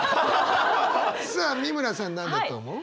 さあ美村さん何だと思う？